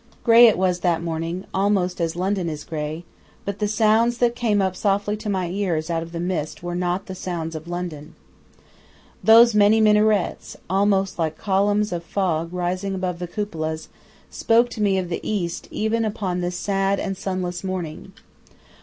Grey it was that morning, almost as London is grey; but the sounds that came up softly to my ears out of the mist were not the sounds of London. Those many minarets, almost like columns of fog rising above the cupolas, spoke to me of the East even upon this sad and sunless morning.